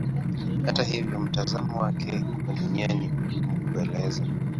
Hata hivyo mtazamo wake wa Dunia ni mgumu kuelezea.